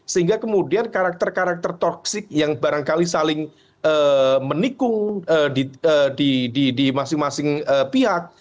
sehingga kemudian karakter karakter toksik yang barangkali saling menikung di masing masing pihak